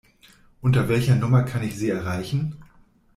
Unter welcher Nummer kann ich Sie erreichen?